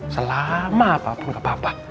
selama apa pun gak apa apa